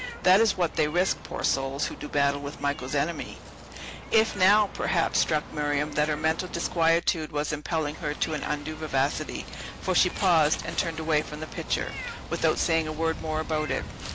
That is what they risk, poor souls, who do battle with Michael's enemy." It now, perhaps, struck Miriam that her mental disquietude was impelling her to an undue vivacity; for she paused, and turned away from the picture, without saying a word more about it.